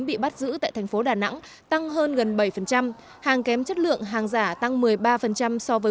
bị bắt giữ tại thành phố đà nẵng tăng hơn gần bảy hàng kém chất lượng hàng giả tăng một mươi ba so với